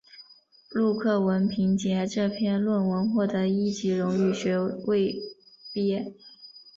陆克文凭藉这篇论文获得一级荣誉学位毕业。